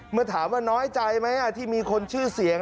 เมื่อถามว่าน้อยใจไหมที่มีคนชื่อเสียง